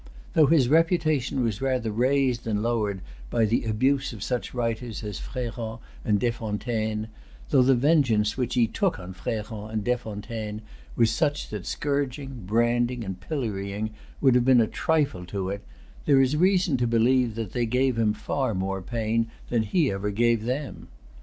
Though his reputation was rather raised than lowered by the abuse of such writers as Fréron and Desfontaines, though the vengeance which he took on Fréron and Desfontaines was such that scourging, branding, pillorying, would have been a trifle to it, there is reason to believe that they gave him far more pain than he ever gave them.